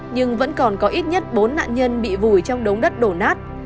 nhưng vẫn còn có ít nhất bốn nạn nhân bị vùi trong đống đất đổ nát